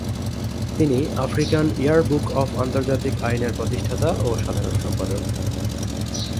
তিনি African year book of আন্তর্জাতিক আইনের প্রতিষ্ঠাতা ও সাধারণ সম্পাদক।